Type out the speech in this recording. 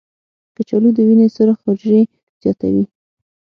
کچالو د وینې سرخ حجرې زیاتوي.